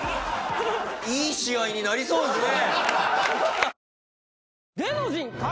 いい試合になりそうですね！